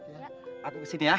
kepada sini ya